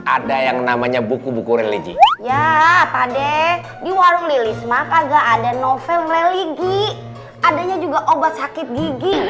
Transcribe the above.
ada novel religi adanya juga obat sakit gigi lupa apa pernah sakit gigi